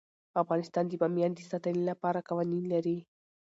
افغانستان د بامیان د ساتنې لپاره قوانین لري.